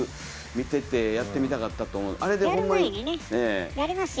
見ててやってみたかったと思う。